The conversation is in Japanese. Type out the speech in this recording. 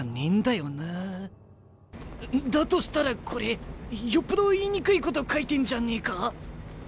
だとしたらこれよっぽど言いにくいこと書いてんじゃねえか？